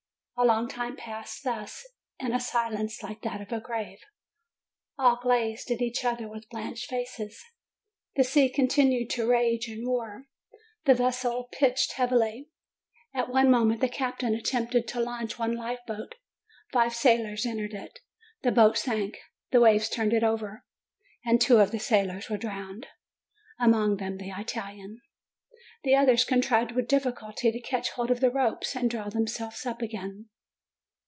A long time passed thus, in a silence like that of the grave. All gazed at each other with blanched faces. The sea continued to rage and roar. The vessel pitched heavily. At one moment the captain attempted to launch one life boat; five sailors entered it. The boat sank; the waves turned it over, and two of the sailors were drowned, among them the Italian. The others contrived with difficulty to catch hold of the ropes and draw themselves up again.